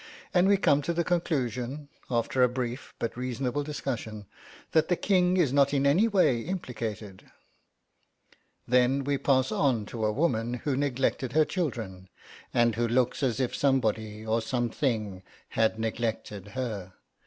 And we come to the conclusion, after a brief but reasonable discussion, that the King is not in any way implicated. Then we pass on to a woman who neglected her children, and who looks as if somebody or something had neglected her.